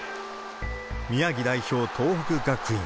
宮城代表、東北学院。